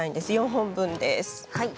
４本分です。